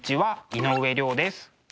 井上涼です。